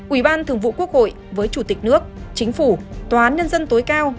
ủy ban thường vụ quốc hội với chủ tịch nước chính phủ tòa án nhân dân tối cao